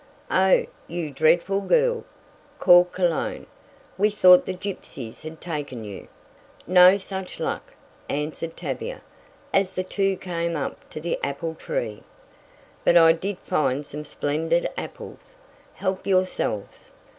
"Oh, you dreadful girl!" called Cologne. "We thought the gypsies had taken you." "No such luck," answered Tavia, as the two came up to the apple tree. "But I did find some splendid apples. Help yourselves.